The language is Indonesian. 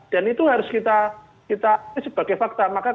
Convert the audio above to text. dan itu harus kita ini sebagai fakta